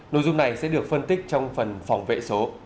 nội dung này sẽ được phân tích trong phần phòng vệ số